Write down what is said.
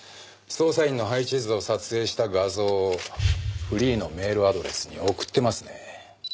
捜査員の配置図を撮影した画像をフリーのメールアドレスに送ってますね。